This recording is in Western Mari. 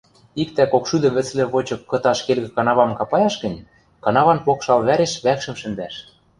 Иктӓ кокшӱдӹ вӹцлӹ вочык кыташ келгӹ канавам капаяш гӹнь, канаван покшал вӓреш вӓкшӹм шӹндӓш